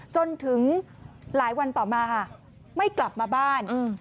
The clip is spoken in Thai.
จนถึงหลายวันต่อมาค่ะไม่กลับมาบ้าน